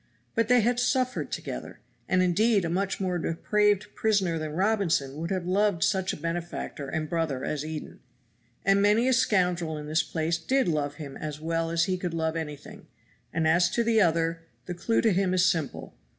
But they had suffered together. And indeed a much more depraved prisoner than Robinson would have loved such a benefactor and brother as Eden; and many a scoundrel in this place did love him as well as he could love anything; and as to the other, the clew to him is simple.